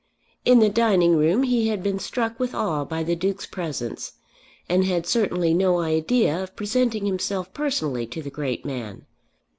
In the dining room he had been struck with awe by the Duke's presence, and had certainly no idea of presenting himself personally to the great man.